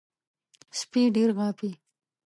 سپي ډېر غاپي .